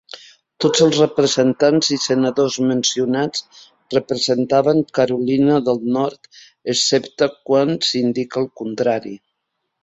Tots els representants i senadors mencionats representaven Carolina del Nord, excepte quan s'indica el contrari.